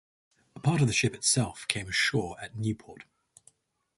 A part of the ship itself came ashore at Nieuport.